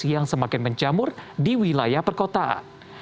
yang semakin menjamur di wilayah perkotaan